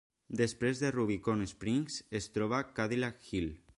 Després de Rubicon Springs es troba Cadillac Hill.